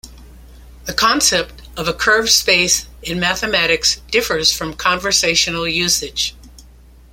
The concept of a curved space in mathematics differs from conversational usage.